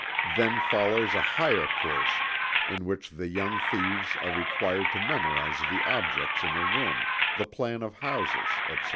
Then follows a higher course in which the young thieves are required to memorize the objects in a room; the plan of houses, etc.